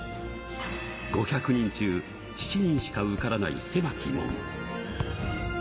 ５００人中７人しか受からない狭き門。